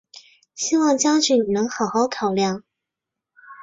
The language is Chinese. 希望将军能好好考量！